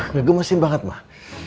ngegemesin banget mah